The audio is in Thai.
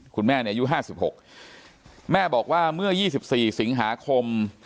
คุณแม่เนี่ยอายุ๕๖แม่บอกว่าเมื่อ๒๔สิงหาคม